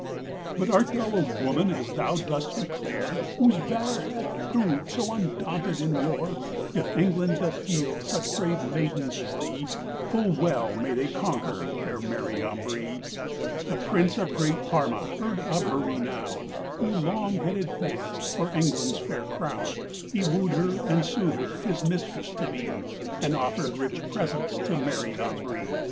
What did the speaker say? "But art thou a woman, as thou dost declare, Whose valor hath proved so undaunted in warre? If England doth yield such brave maydens as thee, Full well mey they conquer, faire Mary Ambree." The Prince of Great Parma heard of her renowne, Who long had advanced for England's fair crowne; Hee wooed her and sued her his mistress to bee, And offered rich presents to Mary Ambree.